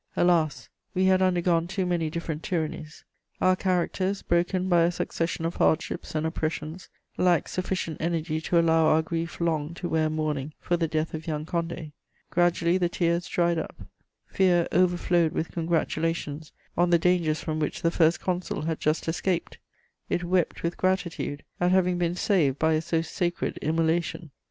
Alas, we had undergone too many different tyrannies; our characters, broken by a succession of hardships and oppressions, lacked sufficient energy to allow our grief long to wear mourning for the death of young Condé: gradually the tears dried up; fear overflowed with congratulations on the dangers from which the First Consul had just escaped; it wept with gratitude at having been saved by a so sacred immolation.